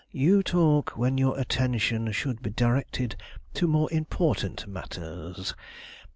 "You talk when your attention should be directed to more important matters.